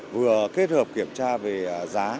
vừa kết hợp kiểm tra về giá